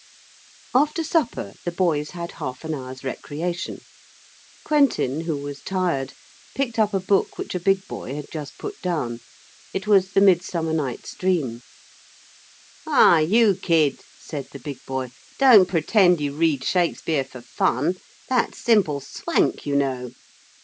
After supper the boys had half an hour's recreation. Quentin, who was tired, picked up a book which a big boy had just put down. It was the Midsummer Night's Dream. 'Hi, you kid,' said the big boy, 'don't pretend you read Shakespeare for fun. That's simple swank, you know.'